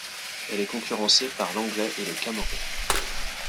Elle est concurrencée par l'anglais et le chamorro.